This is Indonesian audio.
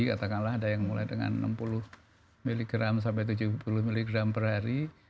katakanlah ada yang mulai dengan enam puluh mg sampai tujuh puluh mg per hari